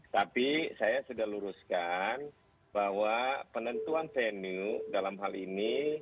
tapi saya sudah luruskan bahwa penentuan venue dalam hal ini